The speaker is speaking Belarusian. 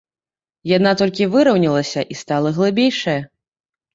Яна толькі выраўнялася і стала глыбейшая.